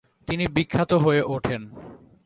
তিনি বিখ্যাত হয়ে ওঠেন।